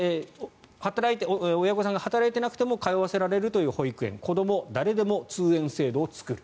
親御さんが働いていなくても通わせられるという保育園こども誰でも通園制度を作る。